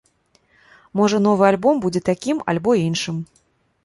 Можа новы альбом будзе такім альбо іншым.